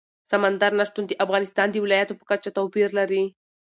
سمندر نه شتون د افغانستان د ولایاتو په کچه توپیر لري.